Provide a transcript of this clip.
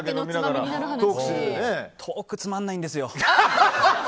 トークつまんないんですよ。